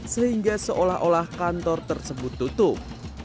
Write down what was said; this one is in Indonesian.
sehingga seolah olah kantor tersebut tutup